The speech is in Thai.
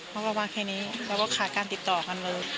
แล้วก็มาแค่นี้แล้วก็ขาดการติดต่อกันเลย